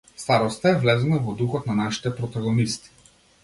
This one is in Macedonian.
Староста е влезена во духот на нашите протагонисти.